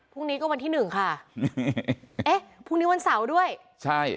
พรุ่งนี้ก็วันที่หนึ่งค่ะเอ๊ะพรุ่งนี้วันเสาร์ด้วยใช่